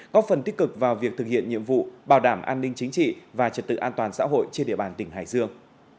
góp phần tích cực vào việc thực hiện nhiệm vụ bảo đảm an ninh chính trị và trật tự an toàn xã hội trên địa bàn tỉnh hải dương